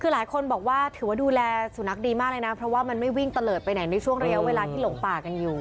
คือหลายคนบอกว่าถือว่าดูแลสุนัขดีมากเลยนะเพราะว่ามันไม่วิ่งตะเลิศไปไหนในช่วงระยะเวลาที่หลงป่ากันอยู่